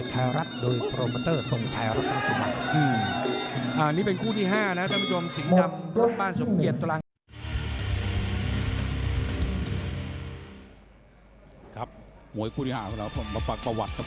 ครับหมวยคู่ที่๕เรามาปรับประวัติกับ